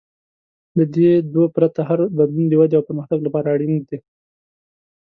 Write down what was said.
له دې دوو پرته، هر بدلون د ودې او پرمختګ لپاره اړین دی.